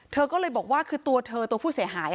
เธอก็เลยบอกว่าคือตัวเธอตัวผู้เสียหาย